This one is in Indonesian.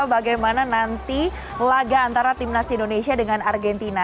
bagaimana nanti laga antara timnas indonesia dengan argentina